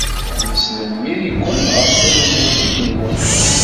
Nesnemmir-iken ɣef unmireg-nwen.